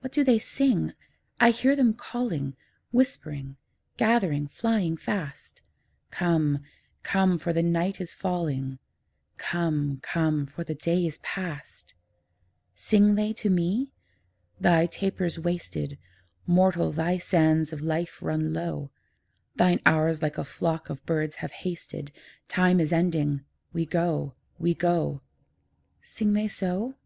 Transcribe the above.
What do they sing? I hear them calling, Whispering, gathering, flying fast, 'Come, come, for the night is falling; Come, come, for the day is past!' Sing they to me? 'Thy taper's wasted; Mortal, thy sands of life run low; Thine hours like a flock of birds have hasted: Time is ending; we go, we go.' Sing they so?